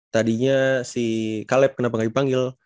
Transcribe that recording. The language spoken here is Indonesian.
tadinya si kaleb kenapa gak dipanggil